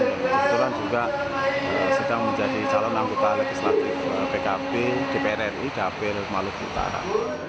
dan kebetulan juga sedang menjadi calon anggota legislatif pkb dpr ri dari daerah pemilihan maluku utara